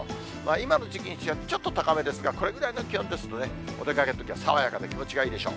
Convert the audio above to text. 今の時期にしてはちょっと高めですが、これぐらいの気温ですとね、お出かけのときは爽やかで気持ちがいいでしょう。